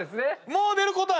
もう出る答え！